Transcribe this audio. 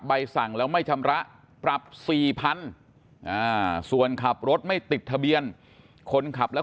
สั่งแล้วไม่ชำระปรับ๔๐๐๐ส่วนขับรถไม่ติดทะเบียนคนขับแล้ว